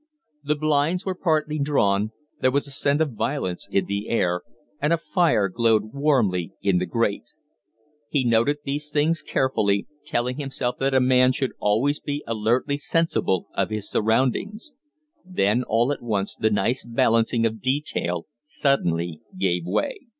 The blinds were partly drawn, there was a scent of violets in the air, and a fire glowed warmly in the grate. He noted these things carefully, telling himself that a man should always be alertly sensible of his surroundings; then all at once the nice balancing of detail suddenly gave way.